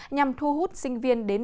nhằm thu hút sinh viên